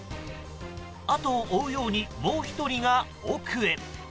後を追うようにもう１人が奥へ。